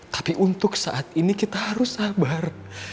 tapi untuk saat ini kita harus sabar